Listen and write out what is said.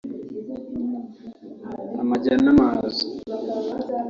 amajya n’amaza